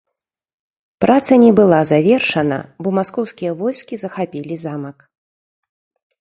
Праца не была завершана, бо маскоўскія войскі захапілі замак.